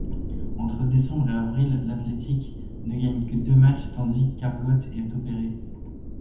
Entre décembre et avril, l'Athletic ne gagne que deux matchs, tandis qu'Argote est opéré.